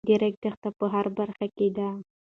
د ریګ دښتې په هره برخه کې دي.